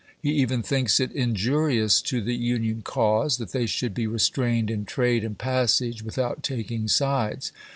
He even thinks it injurious to the Union cause that they should be restrained in trade and passage without taking sides.